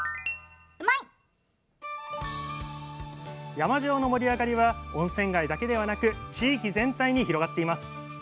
山塩の盛り上がりは温泉街だけではなく地域全体に広がっています